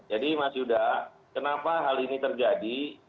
jadi mas yuda kenapa hal ini terjadi